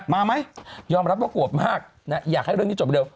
มามั้ยยอมรับประกวบมากอยากให้เรื่องนี้จบเร็ว